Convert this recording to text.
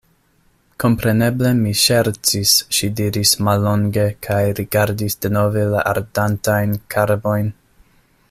Kompreneble, mi ŝercis, ŝi diris mallonge kaj rigardis denove la ardantajn karbojn.